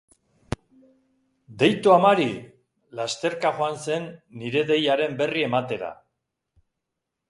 Deitu amari!, lasterka joan zen nire deiaren berri ematera.